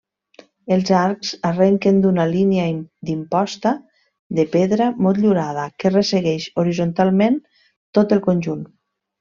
Els arcs arrenquen d'una línia d'imposta de pedra motllurada que ressegueix horitzontalment tot el conjunt.